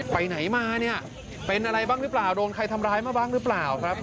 ไปไหนมาเนี่ยเป็นอะไรบ้างหรือเปล่าโดนใครทำร้ายมาบ้างหรือเปล่าครับ